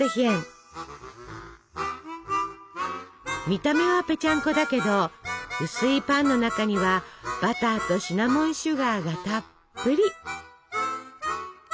見た目はぺちゃんこだけど薄いパンの中にはバターとシナモンシュガーがたっぷり。